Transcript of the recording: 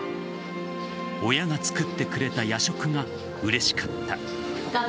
親が作ってくれた夜食がうれしかった。